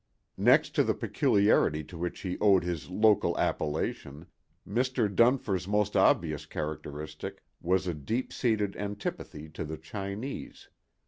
Next to the peculiarity to which he owed his local appellation, Mr. Dunfer's most obvious characteristic was a deep seated antipathy to the Chinese.